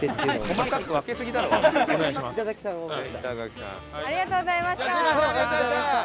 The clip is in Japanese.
すみませんありがとうございました。